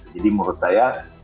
jadi menurut saya